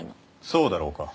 そうだろうか？